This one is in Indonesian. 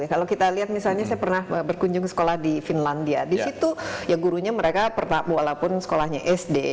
kalau kita lihat misalnya saya pernah berkunjung ke sekolah di finlandia di situ ya gurunya mereka walaupun sekolahnya sd